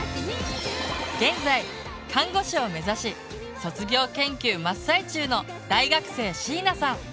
現在看護師を目指し卒業研究真っ最中の大学生しいなさん。